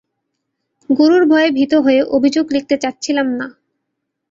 গুরুর ভয়ে ভীত হয়ে অভিযোগ লিখতে চাচ্ছিলাম না?